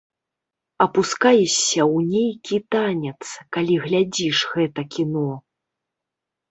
Апускаешся ў нейкі танец, калі глядзіш гэта кіно.